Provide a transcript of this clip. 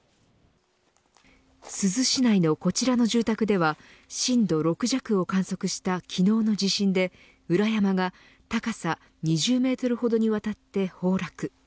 珠洲市内のこちらの住宅では震度６弱を観測した昨日の地震で裏山が高さ２０メートルほどにわたって崩落。